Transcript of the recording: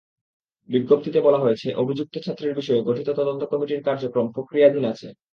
বিজ্ঞপ্তিতে বলা হয়েছে, অভিযুক্ত ছাত্রের বিষয়ে গঠিত তদন্ত কমিটির কার্যক্রম প্রক্রিয়াধীন আছে।